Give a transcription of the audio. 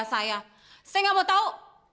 saya gak mau tau